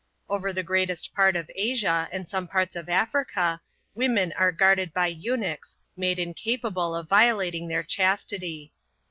Over the greatest part of Asia, and some parts of Africa, women are guarded by eunuchs, made incapable of violating their chastity.